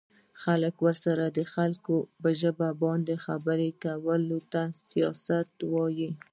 خلکو سره د خلکو په ژبه باندې خبرې کولو ته سياست وايه